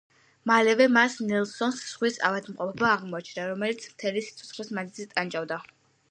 მალევე მას ნელსონს ზღვის ავადმყოფობა აღმოაჩნდა, რომელიც მთელი სიცოცხლის მანძილზე ტანჯავდა.